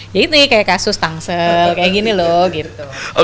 jadi ini kayak kasus tangsel kayak gini loh gitu